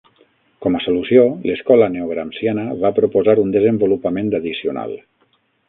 Com a solució, l'escola neogramsciana va proposar un desenvolupament addicional.